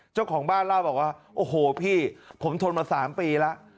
เจ้าของบ้านเล่าบอกว่าโอ้โหพี่ผมทนมา๓ปีแล้ว